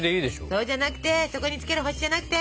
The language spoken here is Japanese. そうじゃなくてそこにつける星じゃなくて。